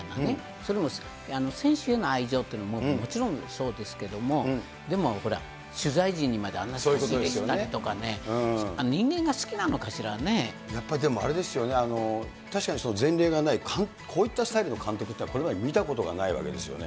それも選手への愛情っていうのももちろんそうですけれども、でも取材陣にまであんな差し入れしたりとかね、人間が好きなのかやっぱりでもあれですよね、確かに前例がない、こういったスタイルの監督っていうのは、これまで見たことがないわけですよね。